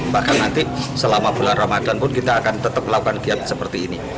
bahkan nanti selama bulan ramadan pun kita akan tetap melakukan giat seperti ini